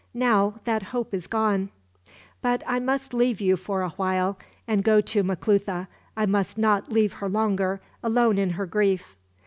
Now that hope is gone. "But I must leave you for a while, and go to Maclutha. I must not leave her longer, alone in her grief."